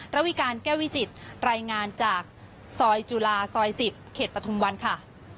ระวิการแก้ววิจิตรายงานจากซอยจุฬาซอย๑๐เขตปฐุมวันค่ะ